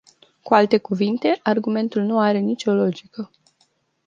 Cu alte cuvinte, argumentul nu are nicio logică.